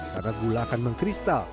karena gula akan mengkristal